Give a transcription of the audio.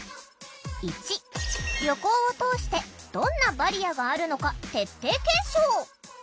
１旅行を通してどんなバリアがあるのか徹底検証！